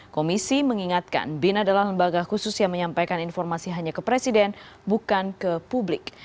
komisi mengingatkan bin adalah lembaga khusus yang menyampaikan informasi hanya ke presiden bukan ke publik